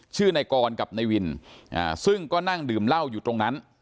ในกรกับนายวินซึ่งก็นั่งดื่มเหล้าอยู่ตรงนั้น